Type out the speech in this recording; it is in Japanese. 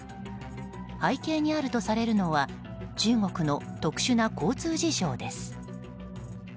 背景にあるとされるのは中国の特殊な交通事情です。